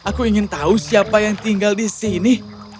aku ingin tahu siapa yang tinggal di sini